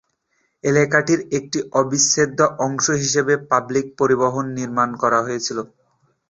এলাকাটির একটি অবিচ্ছেদ্য অংশ হিসেবে পাবলিক পরিবহন নির্মাণ করা হয়েছিল।